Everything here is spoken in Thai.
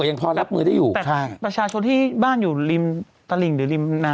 ยังพอรับมือได้อยู่แต่ใช่ประชาชนที่บ้านอยู่ริมตลิ่งหรือริมน้ำ